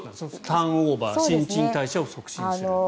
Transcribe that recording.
ターンオーバー新陳代謝を促進する。